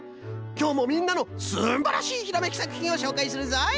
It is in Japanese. きょうもみんなのすんばらしいひらめきさくひんをしょうかいするぞい。